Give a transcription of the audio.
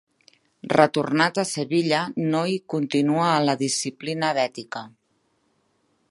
Retornat a Sevilla, no hi continua a la disciplina bètica.